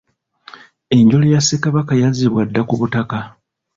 Enjole ya Ssekabaka yazzibwa dda ku butaka.